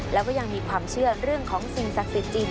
แล้วก็ยังมีความเชื่อเรื่องของสิ่งศักดิ์สิทธิ์จริง